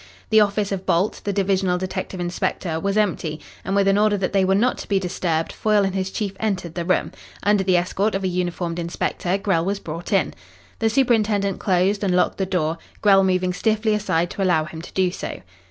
The office of Bolt, the divisional detective inspector, was empty, and with an order that they were not to be disturbed, Foyle and his chief entered the room. Under the escort of a uniformed inspector, Grell was brought in. The superintendent closed and locked the door, Grell moving stiffly aside to allow him to do so.